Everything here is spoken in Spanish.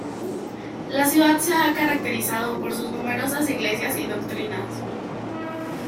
La ciudad se ha caracterizado por sus numerosas iglesias y doctrinas.